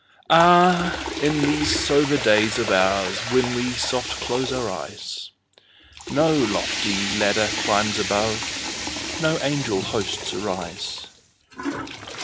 Ah, in these sober days of oursWhen we soft close our eyes, No lofty ladder climbs above, No angel hosts arise.